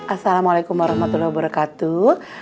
assalamualaikum warahmatullahi wabarakatuh